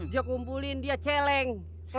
dia kumpulin dia celeng